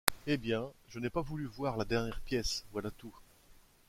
Eh! bien, je n’ai pas voulu voir la dernière pièce, voilà tout...